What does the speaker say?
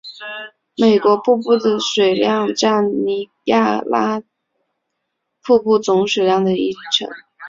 美国瀑布的水量占尼亚加拉瀑布总水量的约一成。